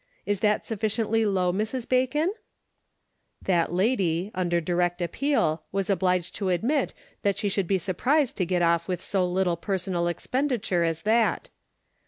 Is that sufficiently low, Mrs. Bacon ?" That lady, under direct appeal, was obliged to admit that she should be surprised to get off with so little personal expenditure as that.